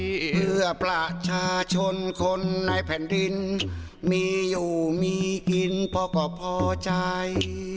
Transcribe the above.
เพื่อประชาชนคนในแผ่นดินมีอยู่มีกินพอก็พอใจ